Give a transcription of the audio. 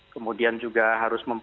kemudian juga harus memperbaiki